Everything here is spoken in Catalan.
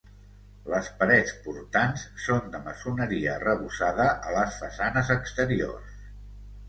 Les parets portants són de maçoneria arrebossada a les façanes exteriors.